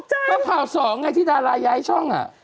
ตกจ้ำว่าเผ่าสองไงที่ดาราย้ายช่องอะ